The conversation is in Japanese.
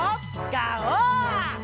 ガオー！